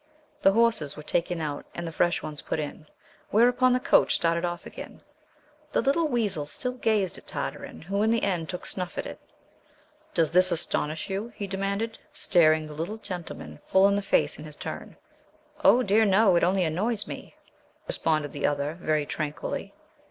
The horses were taken out and the fresh ones put in, whereupon the coach started off again. The little weasel still gazed at Tartarin, who in the end took snuff at it. "Does this astonish you?" he demanded, staring the little gentleman full in the face in his turn. "Oh, dear, no! it only annoys me," responded the other, very tranquilly.